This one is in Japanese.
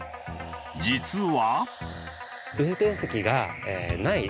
実は。